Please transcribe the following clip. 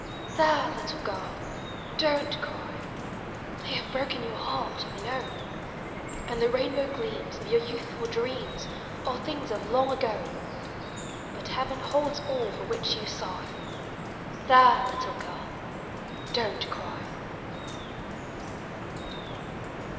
There! little girl, don't cry! They have broken your heart, I know ; And the rainbow gleams Of your youthful dreams Are things of the long ago; But Heaven holds all for which you sigh.— There! little girl, don't cry!